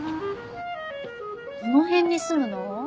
どの辺に住むの？